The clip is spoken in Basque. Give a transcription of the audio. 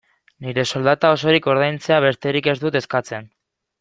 Nire soldata osorik ordaintzea besterik ez dut eskatzen.